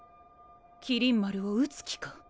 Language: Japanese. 麒麟丸を討つ気か？